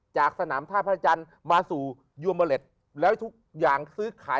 จากสนามท่าพระจันทร์มาสู่โยเมอเล็ตแล้วทุกอย่างซื้อขาย